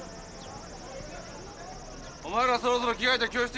お前らそろそろ着替えて教室行けよ。